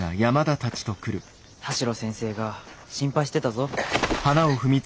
田代先生が心配してたぞ。